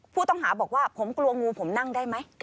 ผู้ต้องหาบอกว่าผมกลัวงูผมนั่งได้ไหม